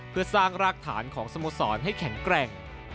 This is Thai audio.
เพื่อสร้างรากฐานของสโมสรให้แข็งแกร่ง